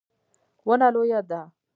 ونه لویه ده